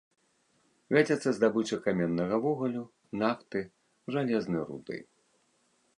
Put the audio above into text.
Вядзецца здабыча каменнага вугалю, нафты, жалезнай руды.